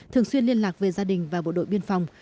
thường xuyên liên lạc với gia đình và bộ đội biên phòng